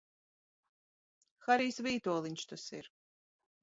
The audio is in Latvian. Harijs Vītoliņš tas ir!